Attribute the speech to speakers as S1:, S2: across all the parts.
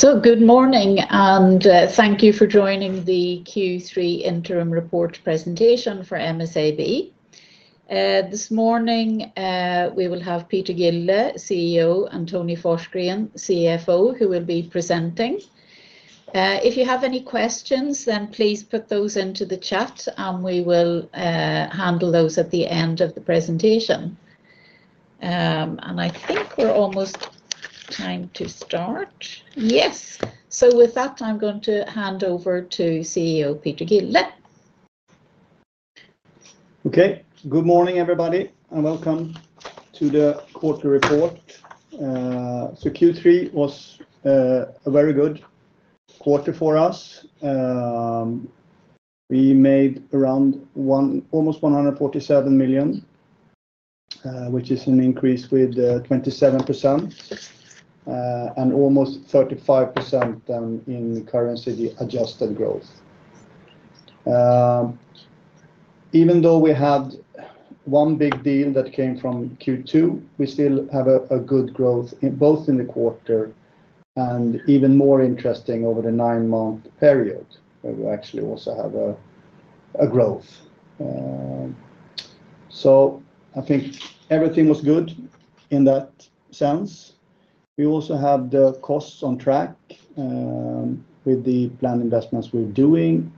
S1: Good morning, and thank you for joining the Q3 interim report presentation for MSAB. This morning, we will have Peter Gille, CEO, and Tony Forsgren, CFO, who will be presenting. If you have any questions, please put those into the chat, and we will handle those at the end of the presentation. I think we're almost time to start. Yes. With that, I'm going to hand over to CEO Peter Gille.
S2: Okay. Good morning, everybody, and welcome to the quarter report. Q3 was a very good quarter for us. We made around almost 147 million, which is an increase with 27% and almost 35% in currency-adjusted growth. Even though we had one big deal that came from Q2, we still have a good growth both in the quarter and even more interesting over the nine-month period where we actually also have a growth. I think everything was good in that sense. We also have the costs on track with the planned investments we're doing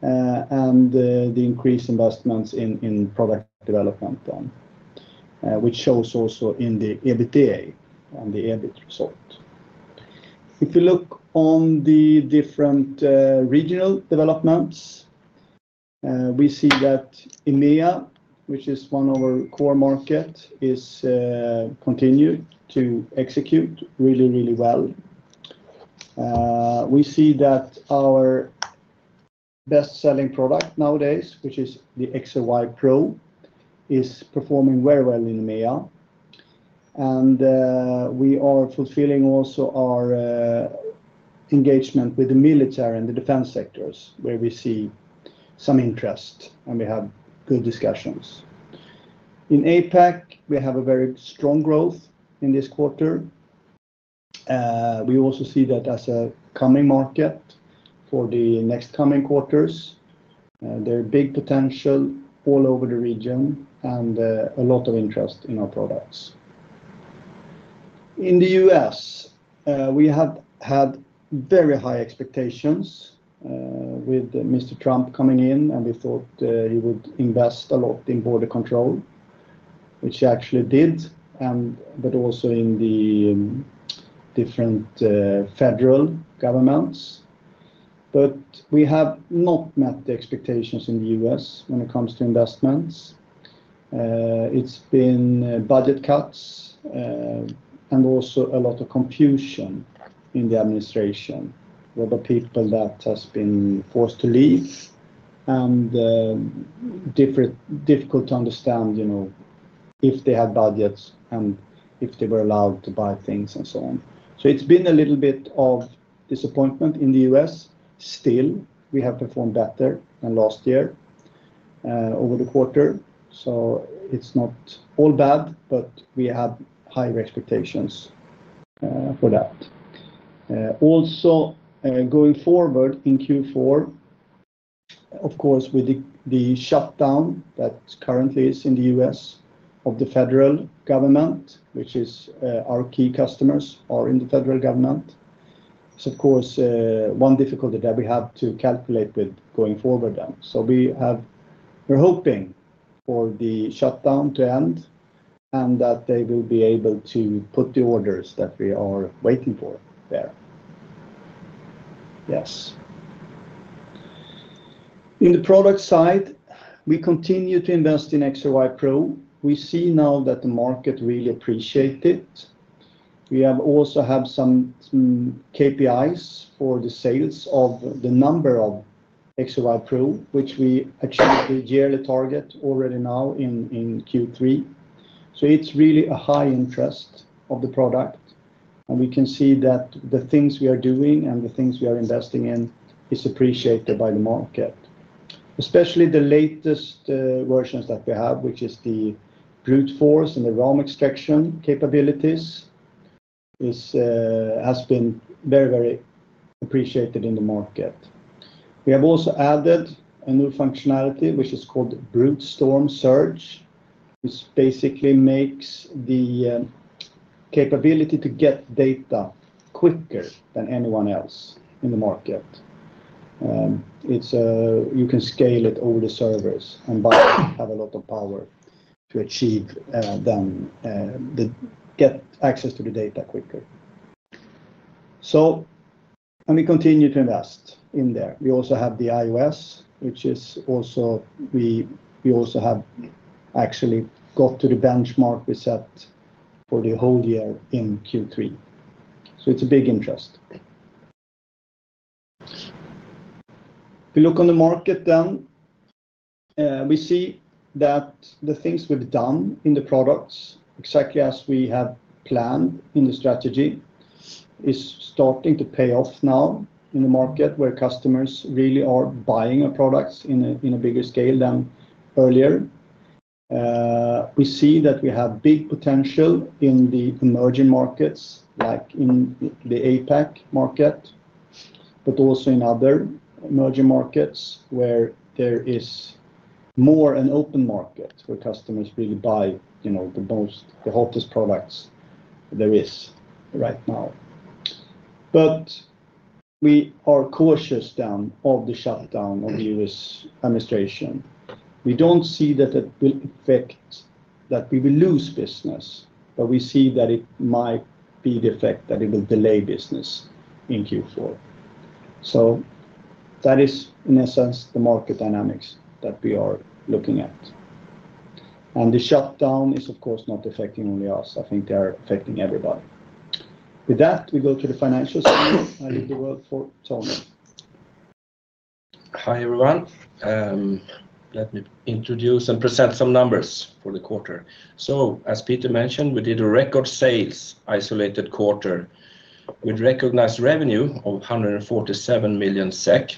S2: and the increased investments in product development, which shows also in the EBITDA and the EBIT result. If you look on the different regional developments, we see that EMEA, which is one of our core markets, continues to execute really, really well. We see that our best-selling product nowadays, which is the XRY Pro, is performing very well in EMEA. We are fulfilling also our engagement with the military and the defense sectors where we see some interest and we have good discussions. In APAC, we have a very strong growth in this quarter. We also see that as a coming market for the next coming quarters, there's big potential all over the region and a lot of interest in our products. In the U.S., we have had very high expectations with Mr. Trump coming in, and we thought he would invest a lot in border control, which he actually did, but also in the different federal governments. We have not met the expectations in the U.S. when it comes to investments. It's been budget cuts and also a lot of confusion in the administration with the people that have been forced to leave and difficult to understand, you know, if they had budgets and if they were allowed to buy things and so on. It's been a little bit of disappointment in the U.S. Still, we have performed better than last year over the quarter. It's not all bad, but we have higher expectations for that. Also, going forward in Q4, of course, with the shutdown that currently is in the U.S. of the federal government, which is our key customers are in the federal government. One difficulty that we have to calculate with going forward then. We are hoping for the shutdown to end and that they will be able to put the orders that we are waiting for there. Yes. In the product side, we continue to invest in XRY Pro. We see now that the market really appreciates it. We also have some KPIs for the sales of the number of XRY Pro, which we achieved the yearly target already now in Q3. It's really a high interest of the product. We can see that the things we are doing and the things we are investing in are appreciated by the market. Especially the latest versions that we have, which is the brute force and the ROM extraction capabilities, have been very, very appreciated in the market. We have also added a new functionality, which is called BruteStorm Surge, which basically makes the capability to get data quicker than anyone else in the market. You can scale it over the servers and have a lot of power to achieve them, get access to the data quicker. We continue to invest in there. We also have the iOS, which is also we also have actually got to the benchmark we set for the whole year in Q3. It's a big interest. If you look on the market then, we see that the things we've done in the products, exactly as we have planned in the strategy, are starting to pay off now in the market where customers really are buying our products in a bigger scale than earlier. We see that we have big potential in the emerging markets, like in the APAC market, but also in other emerging markets where there is more an open market where customers really buy the most, the hottest products there are right now. We are cautious then of the shutdown of the U.S. administration. We don't see that it will affect that we will lose business, but we see that it might be the effect that it will delay business in Q4. That is, in essence, the market dynamics that we are looking at. The shutdown is, of course, not affecting only us. I think they are affecting everybody. With that, we go to the financials. I leave the word for Tony.
S3: Hi, everyone. Let me introduce and present some numbers for the quarter. As Peter mentioned, we did a record sales isolated quarter with recognized revenue of 147 million SEK.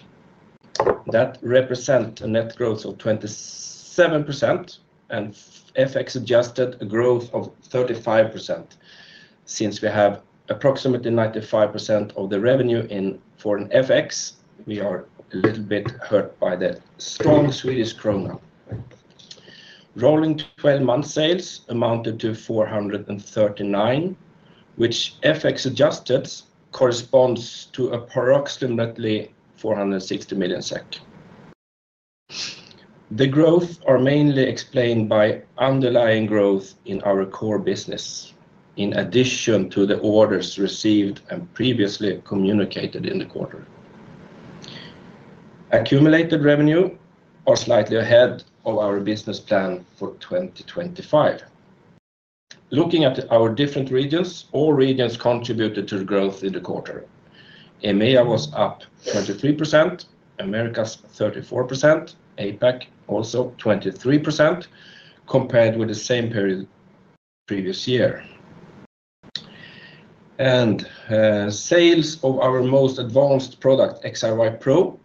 S3: That represents a net growth of 27% and FX-adjusted a growth of 35%. Since we have approximately 95% of the revenue in foreign FX, we are a little bit hurt by the strong Swedish krona. Rolling 12-month sales amounted to 439 million, which FX-adjusted corresponds to approximately 460 million SEK. The growth is mainly explained by underlying growth in our core business, in addition to the orders received and previously communicated in the quarter. Accumulated revenue is slightly ahead of our business plan for 2025. Looking at our different regions, all regions contributed to the growth in the quarter. EMEA was up 23%, Americas 34%, APAC also 23% compared with the same period previous year. Sales of our most advanced product, XRY Pro,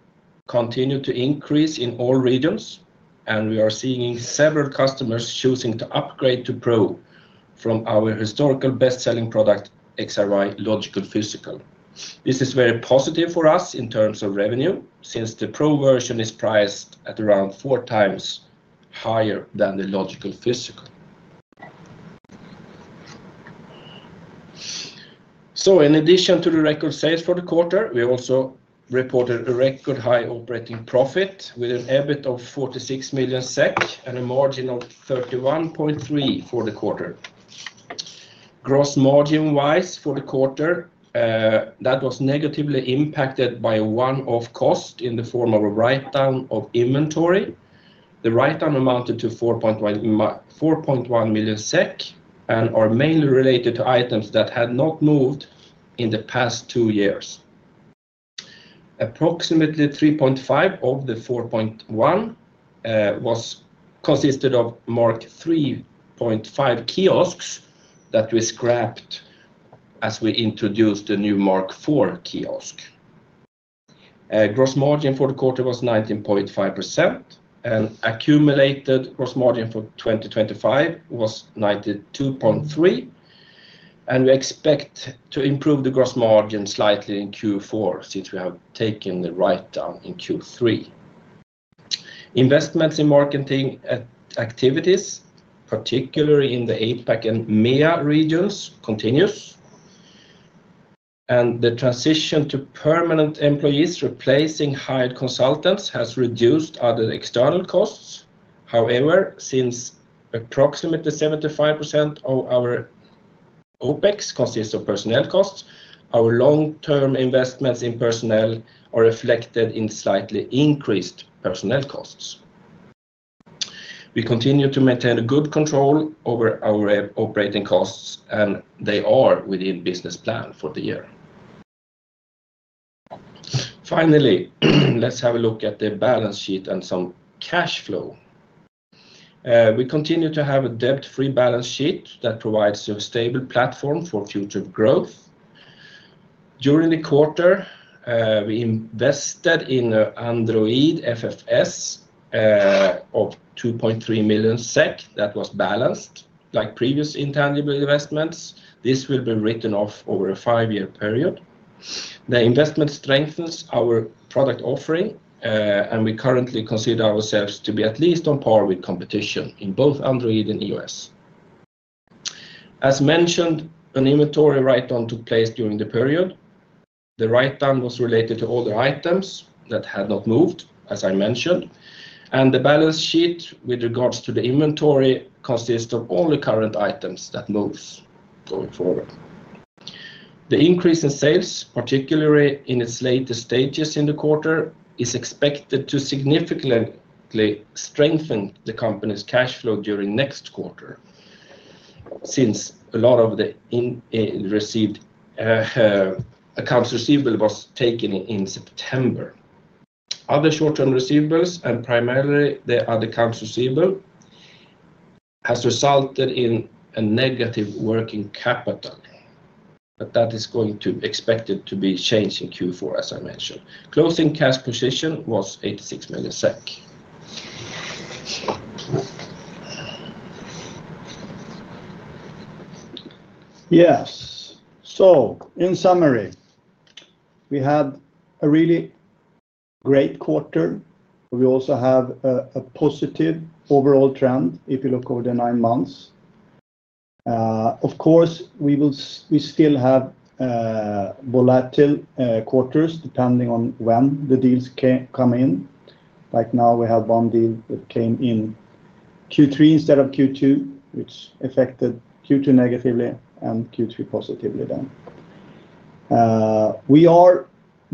S3: continue to increase in all regions, and we are seeing several customers choosing to upgrade to Pro from our historical best-selling product, XRY Logical Physical. This is very positive for us in terms of revenue since the Pro version is priced at around four times higher than the Logical Physical. In addition to the record sales for the quarter, we also reported a record high operating profit with an EBIT of 46 million SEK and a margin of 31.3% for the quarter. Gross margin-wise for the quarter, that was negatively impacted by a one-off cost in the form of a write-down of inventory. The write-down amounted to 4.1 million SEK and is mainly related to items that had not moved in the past two years. Approximately 3.5% of the 4.1 million consisted of Mk 3.5 Kiosks that we scrapped as we introduced the new Mk 4 Kiosk. Gross margin for the quarter was 19.5%, and accumulated gross margin for 2023 was 92.3%. We expect to improve the gross margin slightly in Q4 since we have taken the write-down in Q3. Investments in marketing activities, particularly in the APAC and EMEA regions, continue. The transition to permanent employees replacing hired consultants has reduced other external costs. However, since approximately 75% of our OpEx consists of personnel expenses, our long-term investments in personnel are reflected in slightly increased personnel expenses. We continue to maintain good control over our operating costs, and they are within business plan for the year. Finally, let's have a look at the balance sheet and some cash flow. We continue to have a debt-free balance sheet that provides a stable platform for future growth. During the quarter, we invested in an Android FFS of 2.3 million SEK. That was balanced like previous intangible investments. This will be written off over a five-year period. The investment strengthens our product offering, and we currently consider ourselves to be at least on par with competition in both Android and iOS. As mentioned, an inventory write-down took place during the period. The write-down was related to all the items that had not moved, as I mentioned. The balance sheet with regards to the inventory consists of all the current items that move going forward. The increase in sales, particularly in its latest stages in the quarter, is expected to significantly strengthen the company's cash flow during next quarter since a lot of the accounts receivable was taken in September. Other short-term receivables, and primarily the accounts receivable, have resulted in a negative working capital. That is expected to be changed in Q4, as I mentioned. Closing cash position was 86 million SEK.
S2: Yes. In summary, we had a really great quarter, but we also have a positive overall trend if you look over the nine months. Of course, we still have volatile quarters depending on when the deals come in. Right now, we have one deal that came in Q3 instead of Q2, which affected Q2 negatively and Q3 positively. We are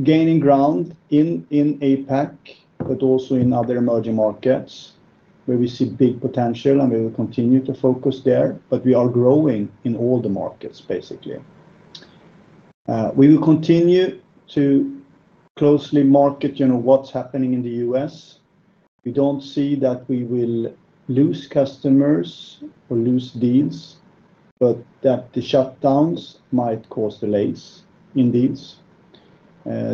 S2: gaining ground in APAC, but also in other emerging markets where we see big potential, and we will continue to focus there. We are growing in all the markets, basically. We will continue to closely monitor what's happening in the U.S. We don't see that we will lose customers or lose deals, but that the shutdowns might cause delays in deals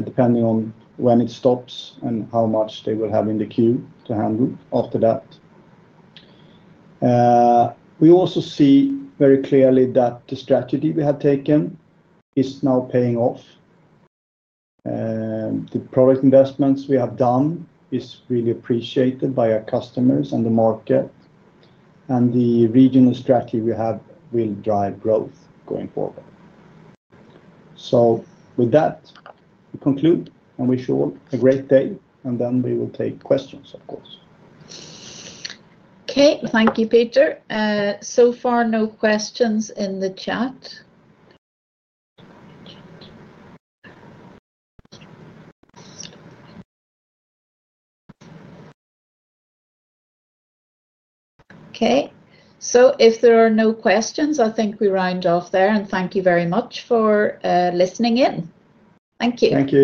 S2: depending on when it stops and how much they will have in the queue to handle after that. We also see very clearly that the strategy we have taken is now paying off. The product investments we have done are really appreciated by our customers and the market. The regional strategy we have will drive growth going forward. With that, we conclude, and we wish you all a great day. We will take questions, of course.
S3: Okay. Thank you, Peter. So far, no questions in the chat. If there are no questions, I think we're rounding off there. Thank you very much for listening in. Thank you.
S2: Thank you.